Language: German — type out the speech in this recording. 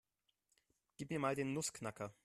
Gib mir mal den Nussknacker.